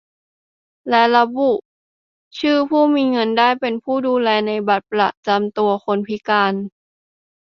และระบุชื่อผู้มีเงินได้เป็นผู้ดูแลในบัตรประจำตัวคนพิการ